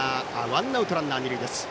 ワンアウトランナー、二塁です。